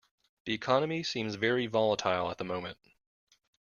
The economy seems very volatile at the moment.